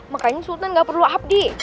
makanya sultan gak perlu abdi